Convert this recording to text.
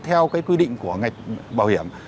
theo cái quy định của ngạch bảo hiểm